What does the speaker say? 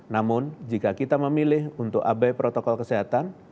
namun jika kita memilih untuk abai protokol kesehatan